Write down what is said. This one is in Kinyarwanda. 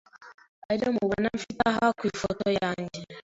ariyo mubona mfite aha ku ifoto yanjye ,